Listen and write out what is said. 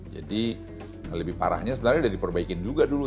jadi yang lebih parahnya sebenarnya udah diperbaikin juga dulu